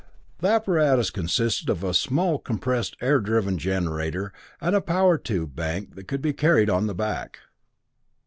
The apparatus consisted of a small compressed air driven generator and a power tube bank that could be carried on the back.